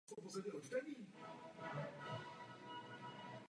Do kláštera byly přijímány také děti na výchovu a vzdělávání.